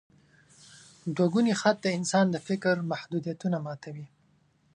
دوګوني خط د انسان د فکر محدودیتونه ماتوي.